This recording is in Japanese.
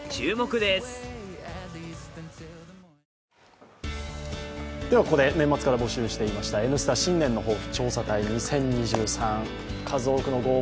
ではここで年末から募集していました「Ｎスタ新年の抱負調査隊２０２３」、数多くのご応募